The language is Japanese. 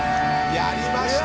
やりました。